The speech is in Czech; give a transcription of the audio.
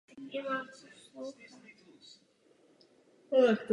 Ten je zobrazován ve spodní části obrazovky v průběhu načítání programu.